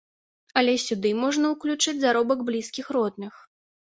Але сюды можна ўключыць заробак блізкіх родных.